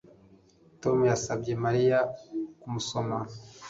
Tom yasabye Mariya kumusoma